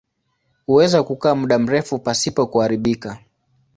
Huweza kukaa muda mrefu pasipo kuharibika.